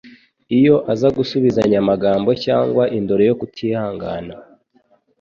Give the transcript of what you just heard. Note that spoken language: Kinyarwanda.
Iyo aza gusubizanya amagambo cyangwa indoro yo kutihangana,